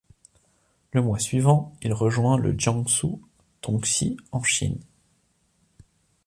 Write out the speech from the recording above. Le mois suivant, il rejoint le Jiangsu Tongxi en Chine.